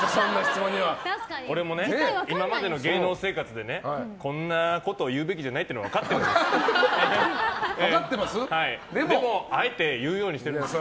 俺も、今までの芸能生活でこんなこと言うべきじゃないって分かってるんですよ。